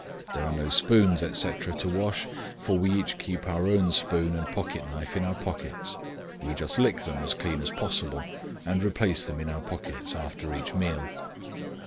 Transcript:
There are no spoons, etc., to wash, for we each keep our own spoon and pocket knife in our pockets. We just lick them as clean as possible and replace them in our pockets after each meal.